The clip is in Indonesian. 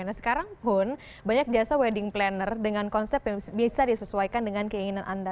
nah sekarang pun banyak jasa wedding planner dengan konsep yang bisa disesuaikan dengan keinginan anda